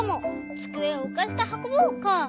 つくえをうかせてはこぼう」か。